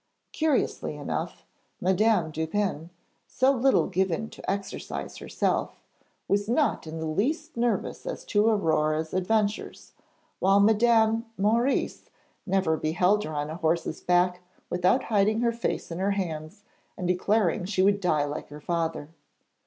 Curiously enough, Madame Dupin, so little given to exercise herself, was not in the least nervous as to Aurore's adventures, while Madame Maurice never beheld her on a horse's back without hiding her face in her hands and declaring she would die like her father.